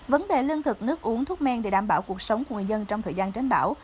vấn đề lương thực nước uống thuốc men để đảm bảo cuộc sống của người dân trong thời gian tránh bão